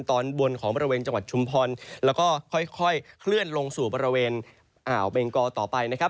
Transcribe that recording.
ตอนบนของบริเวณจังหวัดชุมพรแล้วก็ค่อยเคลื่อนลงสู่บริเวณอ่าวเบงกอต่อไปนะครับ